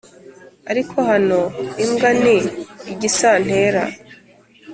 ariko hano imbwa ni igisantera